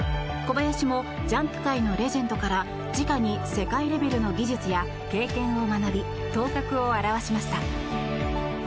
小林もジャンプ界のレジェンドからじかに世界レベルの技術や経験を学び頭角を現しました。